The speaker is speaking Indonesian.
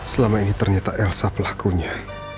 selama ini ternyata elsa pelakunya